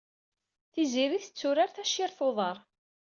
Tiziri tetturar tacirt n uḍar.